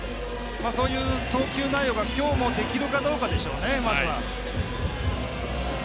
そういう投球内容が今日もできるかどうかでしょうね。